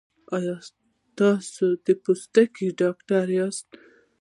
ایا تاسو د پوستکي ډاکټر یاست؟